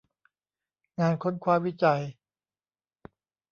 งานค้นคว้าวิจัย